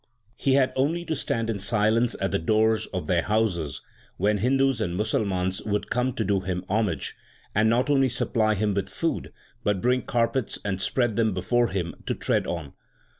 He had only to stand in silence at the doors of their houses, when Hindus and Musalmans would come to do him homage, and not only supply him with food, but bring carpets and spread them before him to tread on.